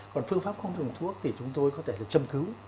còn phương pháp không dùng thuốc thì chúng tôi có thể là châm cứu